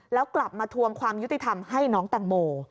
แล้วกลับมาทวงความยุติธรรมให้น้องแตงโม